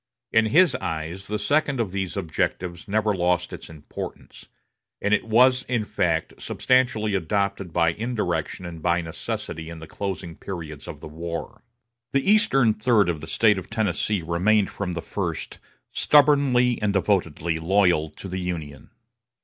In his eyes, the second of these objectives never lost its importance; and it was in fact substantially adopted by indirection and by necessity in the closing periods of the war. The eastern third of the State of Tennessee remained from the first stubbornly and devotedly loyal to the Union.